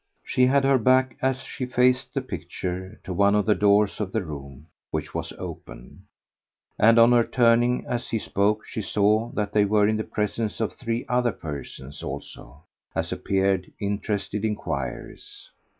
She had her back, as she faced the picture, to one of the doors of the room, which was open, and on her turning as he spoke she saw that they were in the presence of three other persons, also, as appeared, interested enquirers.